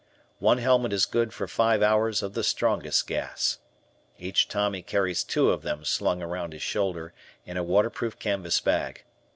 One helmet is good for five hours of the strongest gas. Each Tommy carries two of them slung around his shoulder in a waterproof canvas bag.